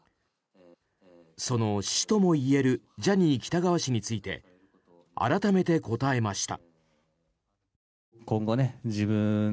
その師ともいえるジャニー喜多川氏について改めて答えました。